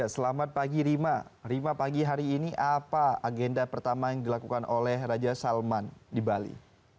selamat pagi rima rima pagi hari ini apa agenda pertama yang dilakukan oleh raja salman di bali